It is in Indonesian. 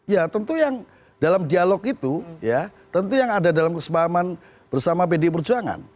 ya tentu yang dalam dialog itu ya tentu yang ada dalam kesepahaman bersama pdi perjuangan